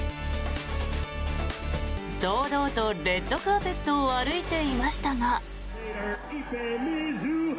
堂々とレッドカーペットを歩いていましたが。